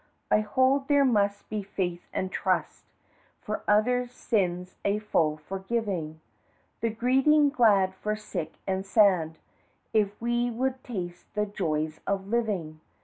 I hold there must be faith and trust For others' sins a full forgiving The greeting glad for sick and sad, If we would taste the joys of living.